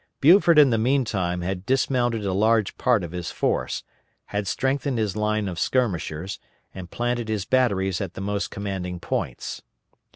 Buford in the meantime had dismounted a large part of his force, had strengthened his line of skirmishers, and planted his batteries at the most commanding points.